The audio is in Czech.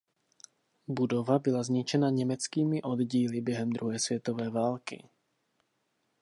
Budova byla zničena německými oddíly během druhé světové války.